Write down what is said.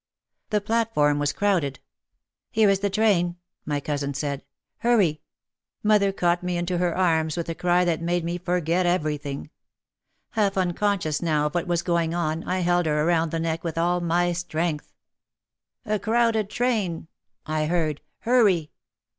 The platform was crowded. "Here is the train," my cousin said. "Hurry !" Mother caught me into her arms with a cry that made me forget everything. Half un conscious now of what was going on, I held her around the neck with all my strength. "A crowded train," I heard. "Hurry!"